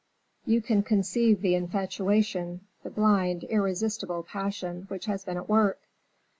You can conceive the infatuation, the blind, irresistible passion which has been at work.